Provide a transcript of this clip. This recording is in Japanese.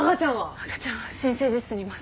赤ちゃんは新生児室にいます。